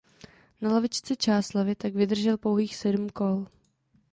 Na lavičce Čáslavi tak vydržel pouhých sedm kol.